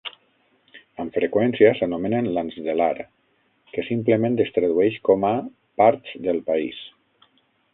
Amb freqüència, s'anomenen "landsdelar", que simplement es tradueix com a "parts del país".